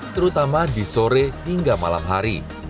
terutama di sore hingga malam hari